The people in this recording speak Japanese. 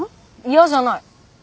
嫌じゃない！